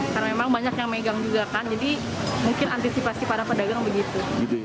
karena memang banyak yang megang juga kan jadi mungkin antisipasi para pedagang begitu